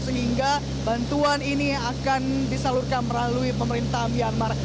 sehingga bantuan ini akan disalurkan melalui pemerintah myanmar